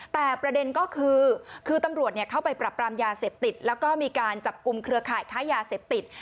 แต่ประเด็นก็คือคือตำรวจเข้าไปปรับปรามยาเสพติดแล้วก็มีการจับกลุ่มเครือข่ายค้ายาเสพติด